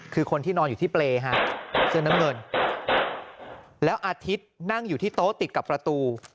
คือคนที่นอนอยู่ที่เปรย์ฮะเสื้อน้ำเงินแล้วอาทิตย์นั่งอยู่ที่โต๊ะติดกับประตู